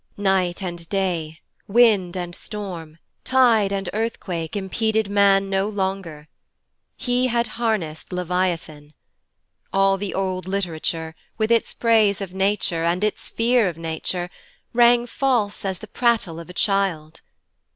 Night and day, wind and storm, tide and earthquake, impeded man no longer. He had harnessed Leviathan. All the old literature, with its praise of Nature, and its fear of Nature, rang false as the prattle of a child.